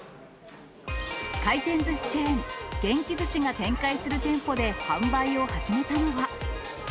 回転ずしチェーン、元気寿司が展開する店舗で販売を始めたのは。